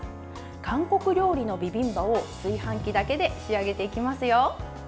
韓国料理のビビンバを炊飯器だけで仕上げていきますよ。